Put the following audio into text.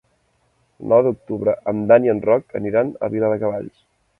El nou d'octubre en Dan i en Roc aniran a Viladecavalls.